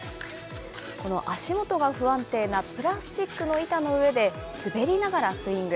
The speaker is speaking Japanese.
この足元が不安定なプラスチックの板の上で、滑りながらスイング。